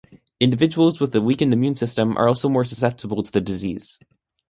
Individuals with a weakened immune system are also more susceptible to the disease.